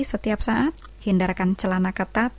setiap saat hindarkan celana ketat